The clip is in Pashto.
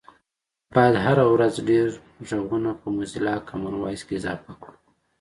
باید هره ورځ ډېر غږونه په موزیلا کامن وایس کې اضافه کړو